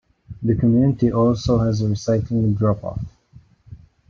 The community also has a recycling drop off.